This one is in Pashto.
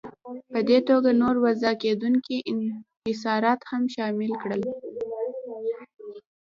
په دې توګه نور وضع کېدونکي انحصارات هم شامل کړل.